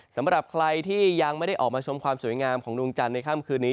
สำหรับใครที่ยังไม่ได้ออกมาชมความสวยงามของดวงจันทร์ในค่ำคืนนี้